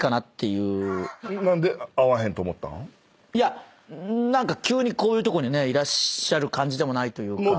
いや何か急にこういうとこにねいらっしゃる感じでもない。